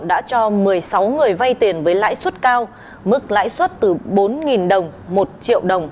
đã cho một mươi sáu người vay tiền với lãi suất cao mức lãi suất từ bốn đồng một triệu đồng